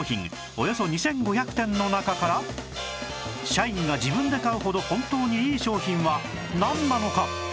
およそ２５００点の中から社員が自分で買うほど本当にいい商品はなんなのか？